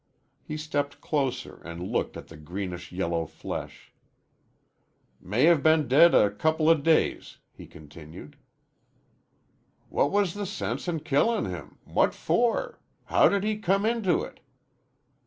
He stepped closer and looked at the greenish yellow flesh. "May have been dead a couple o' days," he continued. "What was the sense in killin' him? What for? How did he come into it?"